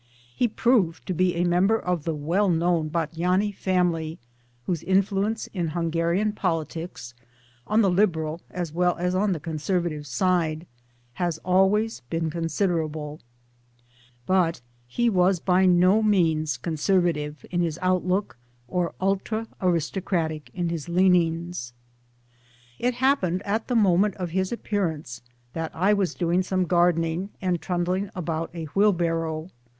He proved to be a member of the well known Batthyany family, whose influ ence in Hungarian politics, on the Liberal as well as on the Conservative side, has always been con siderable ; but he was by no means conservative in his outlook or ultra aristocratic in his leanings. It happened at the moment of his appearance that I was doing some gardening and trundling about a wheelbarrow.